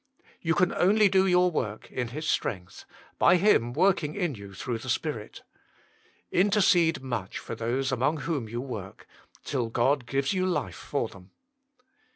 You can only do your work in His strength, by Him working in you through the Spirit. Inter cede much for those among whom you work, till God gives you life for them.